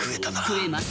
食えます。